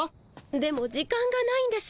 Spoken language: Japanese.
でも時間がないんです。